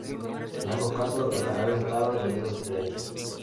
En ambos casos, los canales estaban en números diferentes.